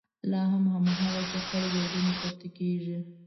لا هم هماغسې خړ ګردونه پورته کېږي.